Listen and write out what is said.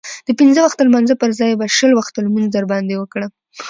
د پنځه وخته لمانځه پرځای به شل وخته لمونځ در باندې وکړم.